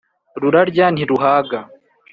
Rurarya ntiruhaga.